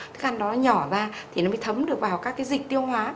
thức ăn nó nhỏ ra thì nó mới thấm được vào các cái dịch tiêu hóa